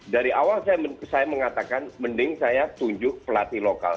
dari awal saya mengatakan mending saya tunjuk pelatih lokal